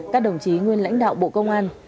các đồng chí nguyên lãnh đạo bộ công an